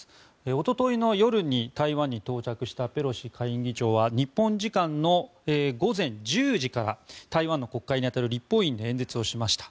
おとといの夜に台湾に到着したペロシ下院議長は日本時間の午前１０時から台湾の国会に当たる立法院で演説をしました。